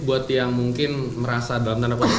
buat yang mungkin merasa dalam tanda kutip